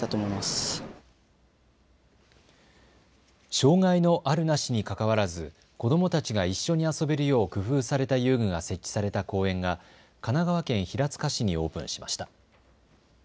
障害のあるなしにかかわらず子どもたちが一緒に遊べるよう工夫された遊具が設置された公園が神奈川県平塚市にオープンしました。